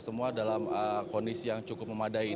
semua dalam kondisi yang cukup memadai